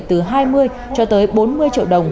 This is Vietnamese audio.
từ hai mươi cho tới bốn mươi triệu đồng